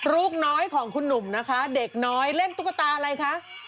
ลูกน้อยของคุณหนุ่มนะคะเด็กน้อยเล่นตุ๊กตาอะไรคะ